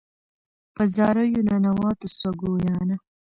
په زاریو ننواتو سوه ګویانه